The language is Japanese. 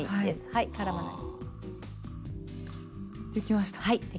はいできました。